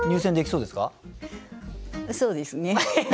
そうですね。